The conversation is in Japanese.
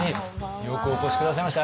よくお越し下さいました。